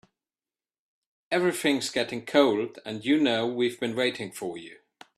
Everything's getting cold and you know we've been waiting for you.